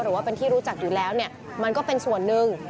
หรือว่าเป็นที่รู้จักอยู่แล้วเนี่ยมันก็เป็นส่วนหนึ่ง